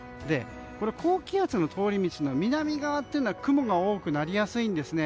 高気圧の通り道の南側というのは雲が多くなりやすいんですね。